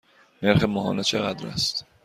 نرخ ماهانه چقدر است؟